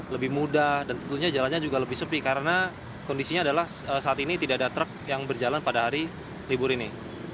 lebih mudah dan tentunya jalannya juga lebih sepi karena kondisinya adalah saat ini tidak ada truk yang berjalan pada hari libur ini